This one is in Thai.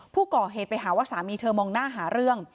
ผู้ก่อเหตุไปหาว่าสามีเธอมองหน้าหาเรื่อง